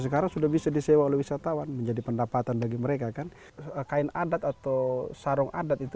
karena kain adat atau sarung adat itu